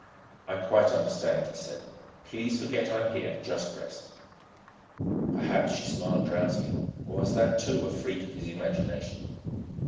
"I quite understand," he said. "Please forget I'm here; just rest." Perhaps she smiled drowsily. Or was that, too, a freak of his imagination?